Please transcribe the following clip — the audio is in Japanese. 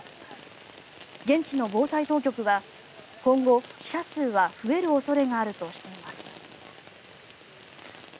現地の防災当局は今後、死者数は増える恐れがあるとしています。